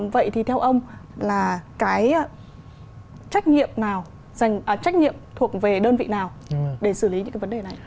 vậy thì theo ông là cái trách nhiệm thuộc về đơn vị nào để xử lý những cái vấn đề này